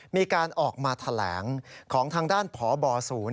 มีการออกมาแถลงของทางด้านพบศูนย์